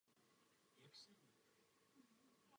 Rameno pak přenese semenné schránky do pohlavního otvoru samice.